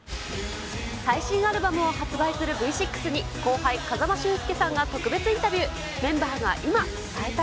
最新アルバムを発売するＶ６に後輩、風間俊介さんが特別インタビュー。